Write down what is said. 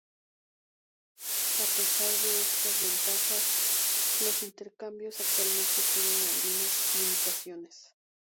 A pesar de estas ventajas, los intercambios actualmente tienen algunas limitaciones.